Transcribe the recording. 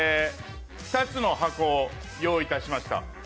２つの箱を用意いたしました。